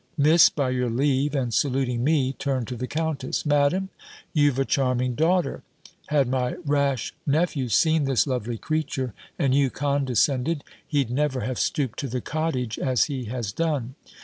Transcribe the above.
Miss, by your leave," and saluting me, turned to the countess. "Madam, you've a charming daughter! Had my rash nephew seen this lovely creature, and you condescended, he'd never have stooped to the cottage as he has done."